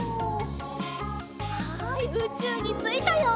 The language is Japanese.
はいうちゅうについたよ！